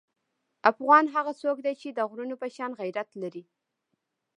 افغان هغه څوک دی چې د غرونو په شان غیرت لري.